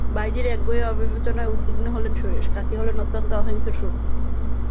ভাইঝির একগুঁয়ে অবিবেচনায় উদ্বিগ্ন হলেন সুরেশ, কাকী হলেন অত্যন্ত অসহিষ্ণু।